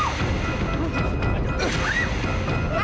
aduh teteh ampun